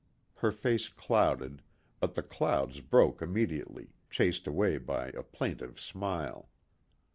Her face clouded, but the clouds broke immediately, chased away by a plaintive smile.